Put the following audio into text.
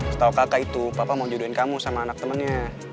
setau kakak itu papa mau jodohin kamu sama anak temannya